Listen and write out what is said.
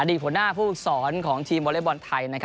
หัวหน้าผู้ฝึกสอนของทีมวอเล็กบอลไทย